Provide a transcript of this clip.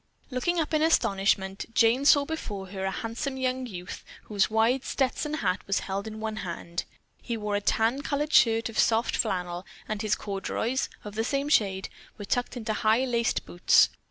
Looking up in astonishment, Jane saw before her a handsome youth whose wide Stetson hat was held in one hand. He wore a tan colored shirt of soft flannel, and his corduroys, of the same shade, were tucked into high, laced boots.